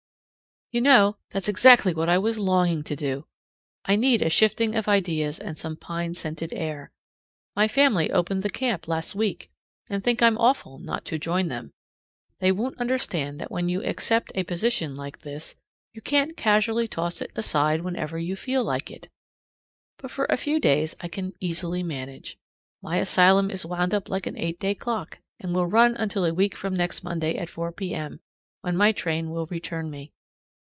You know, that's exactly what I was longing to do! I need a shifting of ideas and some pine scented air. My family opened the camp last week, and think I'm awful not to join them. They won't understand that when you accept a position like this you can't casually toss it aside whenever you feel like it. But for a few days I can easily manage. My asylum is wound up like an eight day clock, and will run until a week from next Monday at 4 P.M., when my train will return me.